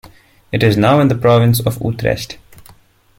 It is now in the province of Utrecht.